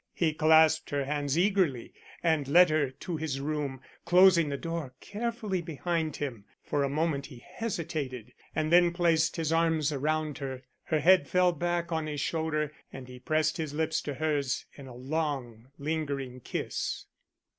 He clasped her hands eagerly and led her to his room, closing the door carefully behind him. For a moment he hesitated and then placed his arms around her. Her head fell back on his shoulder and he pressed his lips to hers in a long lingering kiss.